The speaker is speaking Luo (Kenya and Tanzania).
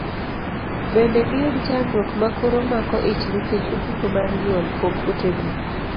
Bende giyud chandruok mar koro mako ich nikech ofuko mar nyuol pok otegno.